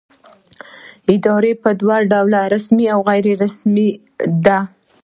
اداره په دوه ډوله رسمي او غیر رسمي ده.